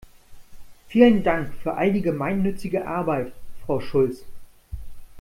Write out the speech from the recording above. Vielen Dank für all die gemeinnützige Arbeit, Frau Schulz!